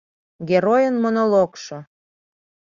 Геройын монологшо